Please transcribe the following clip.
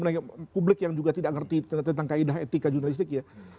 sebagai publik yang juga tidak mengerti tentang kaedah etika jurnalistik ya